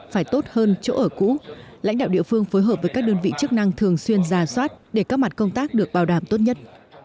phải tốt hơn chỗ ở cũ lãnh đạo địa phương phối hợp với các đơn vị chức năng thường xuyên ra soát để các mặt công tác được bảo đảm tốt nhất